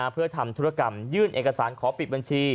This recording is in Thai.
เพื่อทำธุรกรรมยื่นเอกสารขอปิดบัญชี